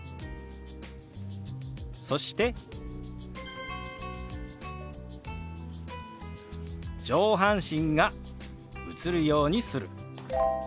そして「上半身が映るようにする」。